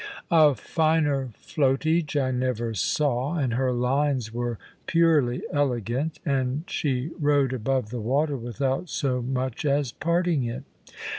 A finer floatage I never saw, and her lines were purely elegant, and she rode above the water without so much as parting it.